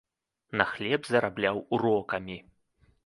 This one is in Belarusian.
На хлеб зарабляў урокамі.